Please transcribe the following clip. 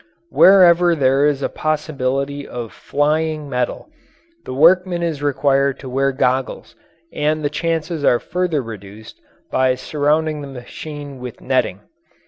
Wherever there is a possibility of flying metal, the workman is required to wear goggles and the chances are further reduced by surrounding the machine with netting.